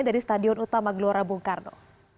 dari stadion utama gelora bung karno